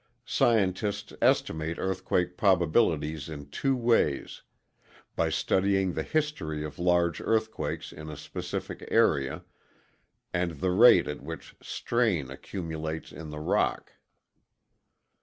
Scientists estimate earthquake probabilities in two ways: by studying the history of large earthquakes in a specific area and the rate at which strain accumulates in the rock.